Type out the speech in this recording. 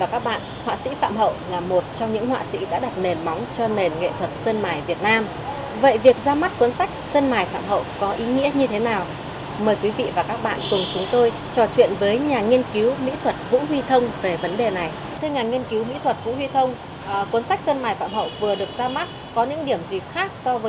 cuốn sách sơn mài phạm hậu vừa được ra mắt có những điểm gì khác so với những cuốn sách đã từng viết về sơn mài trước đó